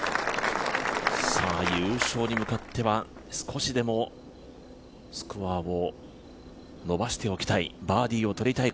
優勝に向かっては少しでもスコアを伸ばしておきたいバーディーをとりたい